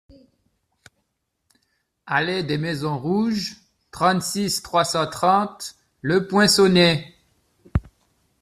Allée des Maisons Rouges, trente-six, trois cent trente Le Poinçonnet